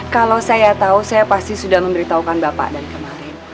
kalau saya tahu saya pasti sudah memberitahukan bapak dari kemarin